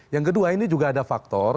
yang kedua ini juga ada faktor